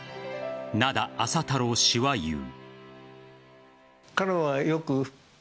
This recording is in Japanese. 灘麻太郎氏は言う。